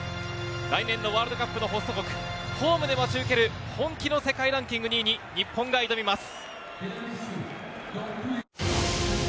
来年のワールドカップの開催国ホームで待ち受ける本気の世界ランキング２位に日本が挑みます。